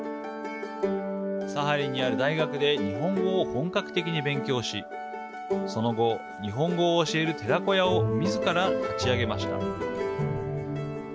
サハリンにある大学で日本語を本格的に勉強しその後、日本語を教える寺子屋をみずから立ち上げました。